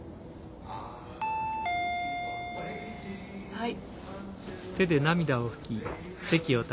・はい。